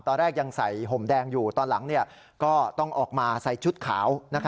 ตอนแรกยังใส่ห่มแดงอยู่ตอนหลังก็ต้องออกมาใส่ชุดขาว